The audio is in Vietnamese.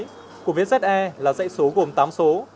mạ vé của việt mla của việt ze là dạy số gồm tám số